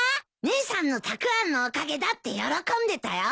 姉さんのたくあんのおかげだって喜んでたよ。